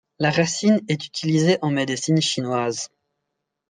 La racine est utilisée en médecine chinoise.